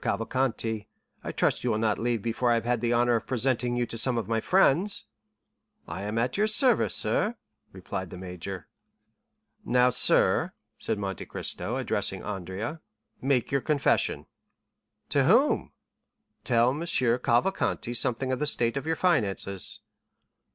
Cavalcanti, I trust you will not leave before I have had the honor of presenting you to some of my friends." "I am at your service, sir," replied the major. "Now, sir," said Monte Cristo, addressing Andrea, "make your confession." "To whom?" "Tell M. Cavalcanti something of the state of your finances."